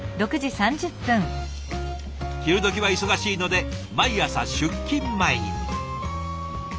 昼どきは忙しいので毎朝出勤前に。